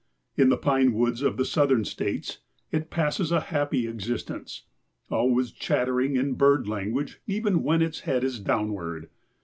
In the pine woods of the Southern States it passes a happy existence, always chattering in bird language even when its head is downward.